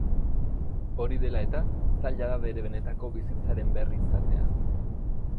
Hori dela eta, zaila da bere benetako bizitzaren berri izatea.